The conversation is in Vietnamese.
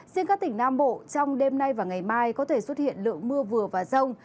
riêng các tỉnh nam bộ trong đêm nay và ngày mai có thể xuất hiện lượng mưa vừa và rông